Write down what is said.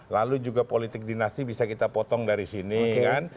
lalu juga politik dinasti bisa kita potong dari sini kan